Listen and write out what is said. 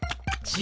じ。